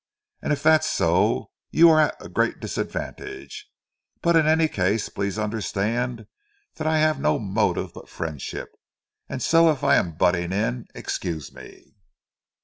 And if that's so, you are at a great disadvantage; but in any case, please understand that I have no motive but friendship, and so if I am butting in, excuse me."